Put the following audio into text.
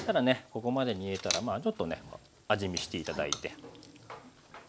ここまで煮えたらちょっとね味見して頂いて。